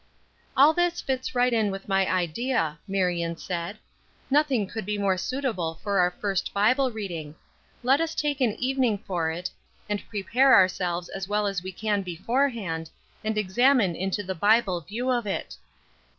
"All this fits right in with my idea," Marion said. "Nothing could be more suitable for our first Bible reading. Let us take an evening for it, and prepare ourselves as well as we can beforehand, and examine into the Bible view of it.